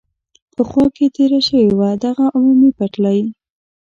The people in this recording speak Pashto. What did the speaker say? په خوا کې تېره شوې وه، دغه عمومي پټلۍ.